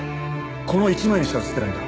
この１枚にしか写ってないんだ。